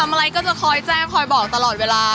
อะไรก็จะคอยแจ้งคอยบอกตลอดเวลา